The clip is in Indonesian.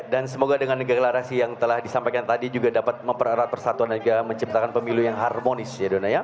dan semoga dengan negara rahasi yang telah disampaikan tadi juga dapat memperarah persatuan dan juga menciptakan pemilu yang harmonis